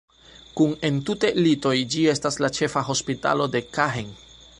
Kun entute litoj, ĝi estas la ĉefa hospitalo de Caen.